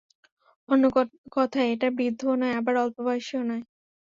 অন্য কথায়, এটা বৃদ্ধও নয়, আবার অল্প বয়সীও নয়।